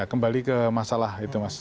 kembali ke masalah itu mas